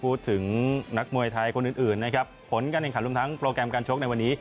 พูดถึงนักมวยไทยคนอื่นนะครับผลการแข่งขันรวมทั้งโปรแกรมการชกในวันนี้